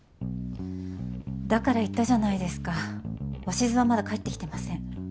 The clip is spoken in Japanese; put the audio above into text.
だから言ったじゃないですか鷲津はまだ帰ってきてません。